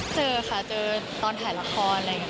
เจอค่ะเจอตอนถ่ายละครอะไรอย่างนี้